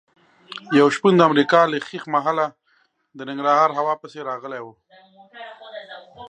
یو شپون د امریکا له ښیښ محله د ننګرهار هوا پسې راغلی و.